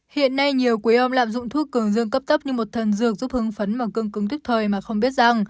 hiện nay nhiều quý ông lạm dụng thuốc cường dương cấp tấp như một thần dược giúp hứng phấn và cưng cứng thức thời mà không biết rằng